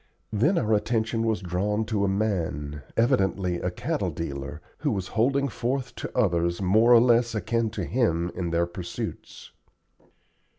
Then our attention was drawn to a man, evidently a cattle dealer, who was holding forth to others more or less akin to him in their pursuits.